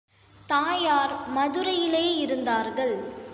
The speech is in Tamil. தாயார் மதுரையிலே இருந்தார்கள்.